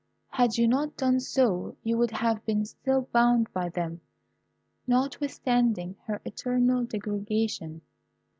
Had you not done so, you would have been still bound by them, notwithstanding her eternal degradation.